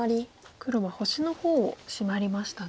黒は星の方をシマりましたね。